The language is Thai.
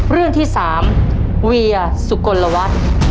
เรื่องที่๓เวียสุกลวัฒน์